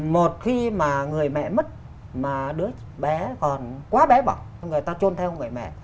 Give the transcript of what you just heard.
một khi mà người mẹ mất mà đứa bé còn quá bé bỏng người ta trôn theo người mẹ